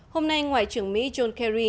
hôm nay ngoại trưởng mỹ john kerry